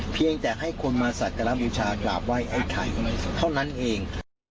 เพียงแต่ให้คนมาสักการะบูชากราบไหว้ไอ้ไข่เท่านั้นเอง